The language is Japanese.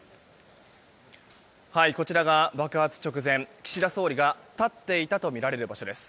こちらが爆発直前、岸田総理が立っていたとみられる場所です。